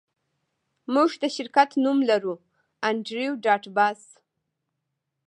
موږ د شرکت نوم لرو انډریو ډاټ باس